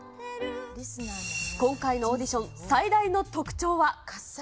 今回のオーディション、最大の特徴は。